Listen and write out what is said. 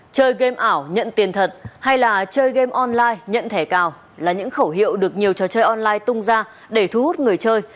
chơi game ảo nhận tiền thật hay là chơi game online nhận thẻ cào là những khẩu hiệu được nhiều trò chơi online tung ra để thu hút người chơi